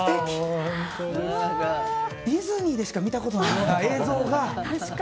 ディズニーでしか見たことない映像が。